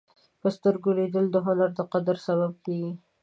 په سترګو لیدل د هنر د قدر سبب کېږي